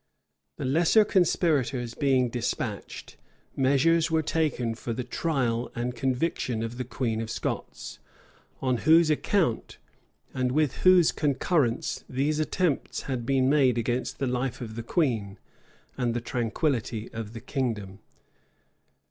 The lesser conspirators being despatched, measures were taken for the trial and conviction of the queen of Scots; on whose account, and with whose concurrence, these attempts had been made against the life of the queen, and the tranquillity of the kingdom.